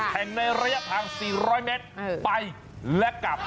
แข่งในระยะทาง๔๐๐เมตรไปและกลับ